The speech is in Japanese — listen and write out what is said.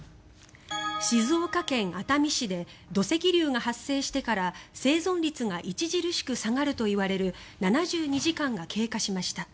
静岡県熱海市で土石流が発生してから生存率が著しく下がるといわれる７２時間が経過しました。